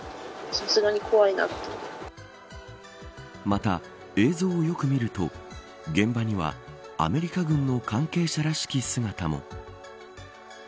また、映像をよく見ると現場にはアメリカ軍の関係者らしき姿も。